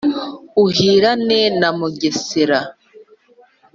Uhirane na Mugesera.